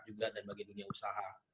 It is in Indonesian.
juga dan bagi dunia usaha